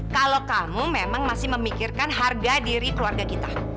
kalau kamu memang masih memikirkan harga diri keluarga kita